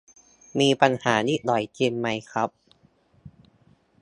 มีปัญหานิดหน่อย จริงไหมครับ